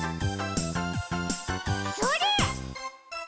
それ！